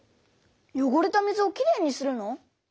よごれた水をきれいにするの？